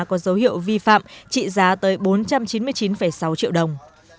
có dấu hiệu vi phạm trị giá tới bốn trăm chín mươi chín sáu triệu đồng